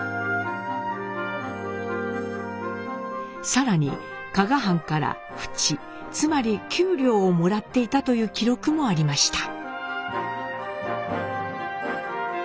更に加賀藩から扶持つまり給料をもらっていたという記録もありました。